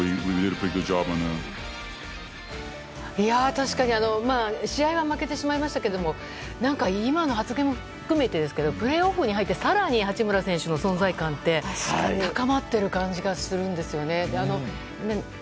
確かに試合は負けてしまいましたけども今の発言も含めてですけどプレーオフに入って更に八村選手の存在感って高まっている感じがするんですよね。